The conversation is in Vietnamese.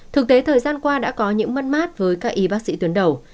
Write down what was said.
thực tế thời gian qua đã có những mất mát với các y bác sĩ tuyến đầu